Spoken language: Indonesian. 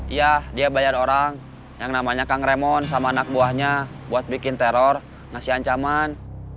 iya dia bayar orang yang namanya kang remon sama anak buahnya buat bikin teror ngasih ancaman